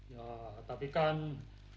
ya tapi kan banyak